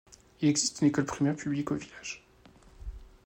Il existe une école primaire publique au village.